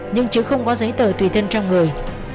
nhưng chứ không có giấy tờ tùy thân trong người